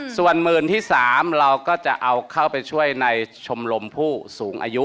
ส่วนหมื่นที่๓เราก็จะเอาเข้าไปช่วยในชมรมผู้สูงอายุ